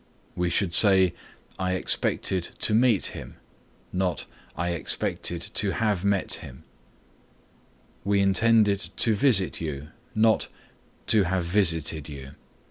We should say "I expected to meet him," not "I expected to have met him." "We intended to visit you," not "to have visited you."